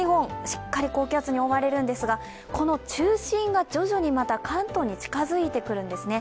しっかり高気圧に覆われるんですがこの中心が徐々にまた関東に近づいてくるんですね。